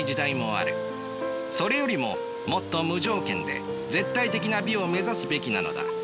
それよりももっと無条件で絶対的な美を目指すべきなのだ。